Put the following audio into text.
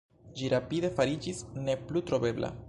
Ĝi rapide fariĝis ne plu trovebla.